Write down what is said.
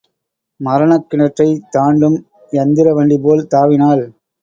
மரணக் கிணறைத் தாண்டும் யந்திர வண்டிபோல் தாவினாள்.